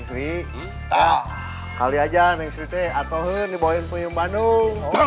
paling tree bukan bukan